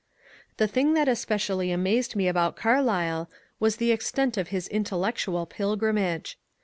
The thing that especially amaied me about Carlyle was the extent of his intellectual pilgrimage.